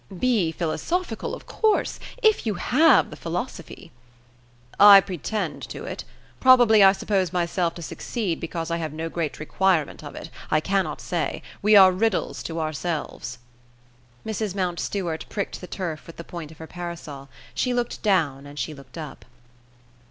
"Be philosophical, of course, if you have the philosophy." "I pretend to it. Probably I suppose myself to succeed because I have no great requirement of it; I cannot say. We are riddles to ourselves." Mrs. Mountstuart pricked the turf with the point of her parasol. She looked down and she looked up.